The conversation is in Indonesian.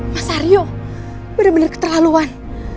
mas aryo benar benar keterlaluan